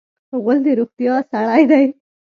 غول د روغتیا سړی دی.